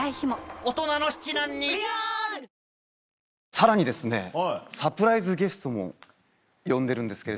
さらにサプライズゲストも呼んでるんですけれども。